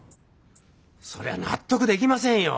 そりゃ納得できませんよ。